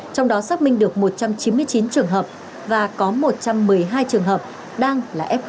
trong đó xác minh được một trăm chín mươi chín trường hợp và có một trăm một mươi hai trường hợp đang là f hai